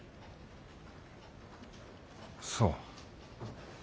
そう。